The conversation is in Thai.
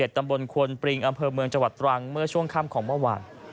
ตำบลควนปริงอำเภอเมืองจังหวัดตรังเมื่อช่วงค่ำของเมื่อวาน